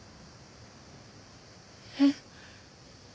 えっ！？